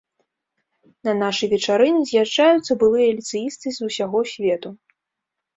На нашы вечарыны з'язджаюцца былыя ліцэісты з усяго свету.